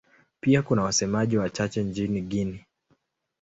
Pia kuna wasemaji wachache nchini Guinea.